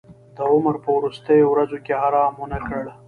د عمر په وروستیو ورځو کې ارام ونه کړ.